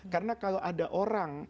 karena kalau ada orang